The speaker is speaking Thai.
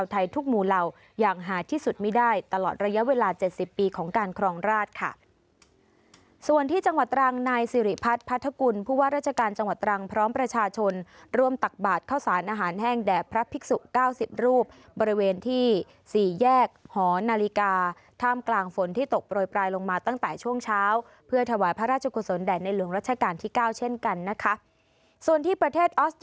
ตลอดระยะเวลา๗๐ปีของการครองราชค่ะส่วนที่จังหวัดอ่างนายสิริพัฒน์พัทธกุลผู้ว่าราชการจังหวัดอ่างพร้อมประชาชนร่วมตักบาดข้าวสารอาหารแห้งแด่พระพิกษุ๙๐รูปบริเวณที่สี่แยกหอนาฬิกาถ้ามกลางฝนที่ตกปล่อยปลายลงมาตั้งแต่ช่วงเช้าเพื่อถวายพระราชกุศลแด่ในหลวงราชการท